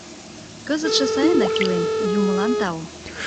— Кызытше сайынак илем, юмылан тау.